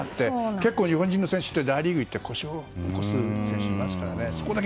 結構日本人の選手って大リーグに行って故障を起こす選手いますからね。